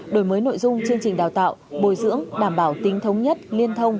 đổi mới nội dung chương trình đào tạo bồi dưỡng đảm bảo tính thống nhất liên thông